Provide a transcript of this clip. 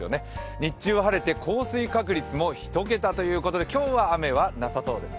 日中は晴れて降水確率も１桁ということで、今日は雨はなさそうですよ。